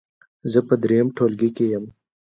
زه په دریم ټولګي کې یم.